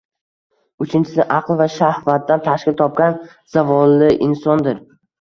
Uchinchisi: aql va shahvatdan tashkil topgan zavolli insondir